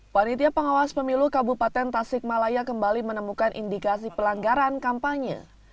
panitia pengawas pemilu kabupaten tasikmalaya kembali menemukan indikasi pelanggaran kampanye